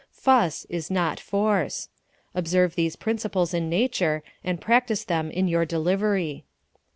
Fuss is not force. Observe these principles in nature and practise them in your delivery.